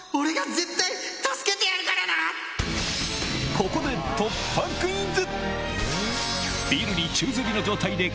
ここで突破クイズ！